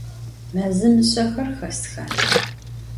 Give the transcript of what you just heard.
Mezım mışsexer xesxa?